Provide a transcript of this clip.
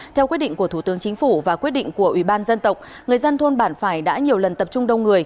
theo quyết định của thủ tướng chính phủ và quyết định của ủy ban dân tộc người dân thôn bản phải đã nhiều lần tập trung đông người